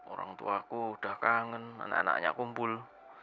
orangtuaku udah kangen anak anaknya kumpul